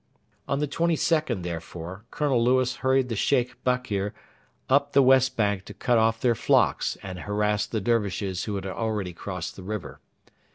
On the 22nd, therefore, Colonel Lewis hurried the Sheikh Bakr up the west bank to cut off their flocks and harass the Dervishes who had already crossed the river.